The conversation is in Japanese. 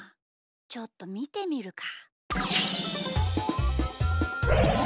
ちょっとみてみるか。